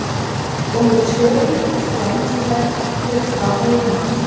Um mit Shirley zusammen zu sein, hilft Rahul Max.